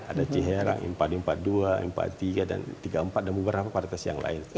ada ciherang impari empat puluh dua impari empat puluh tiga dan tiga puluh empat dan beberapa varietas yang lain